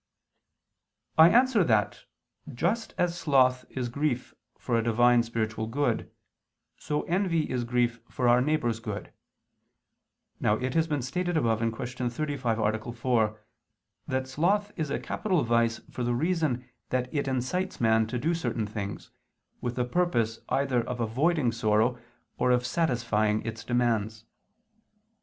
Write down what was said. I answer that, Just as sloth is grief for a Divine spiritual good, so envy is grief for our neighbor's good. Now it has been stated above (Q. 35, A. 4) that sloth is a capital vice for the reason that it incites man to do certain things, with the purpose either of avoiding sorrow or of satisfying its demands.